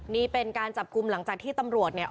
นี่เป็นการจับกลุ่มหลังจากที่ตำรวจเนี่ย